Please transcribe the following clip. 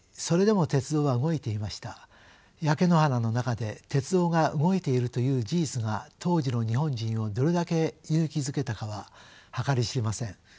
焼け野原の中で鉄道が動いているという事実が当時の日本人をどれだけ勇気づけたかは計り知れません。